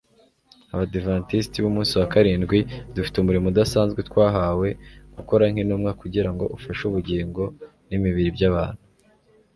abadiventisti b'umunsi wa karindwi dufite umurimo udasanzwe twahawe gukora nk'intumwa, kugira ngo ufashe ubugingo n'imibiri by'abantu